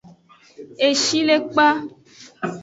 Eshilekpa.